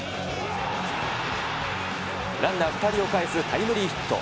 ランナー２人をかえすタイムリーヒット。